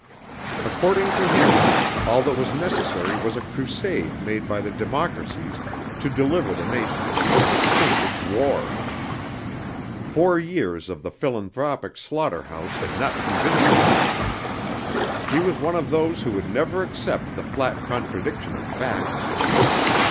According to him, all that was necessary was a crusade made by the democracies to deliver the nations and extinguish war. Four years of the philanthropic slaughterhouse had not convinced him. He was one of those who will never accept the flat contradiction of facts.